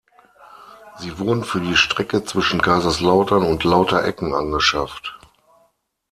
Sie wurden für die Strecke zwischen Kaiserslautern und Lauterecken angeschafft.